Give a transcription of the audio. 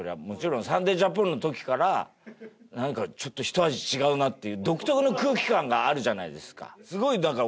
もちろん『サンデー・ジャポン』の時からなんかちょっとひと味違うなっていう独特の空気感があるじゃないですか。